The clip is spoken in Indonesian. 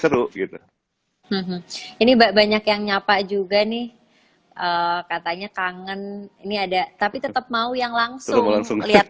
seru gitu ini banyak yang nyapa juga nih katanya kangen ini ada tapi tetap mau yang langsung lihat